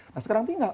nah sekarang tinggal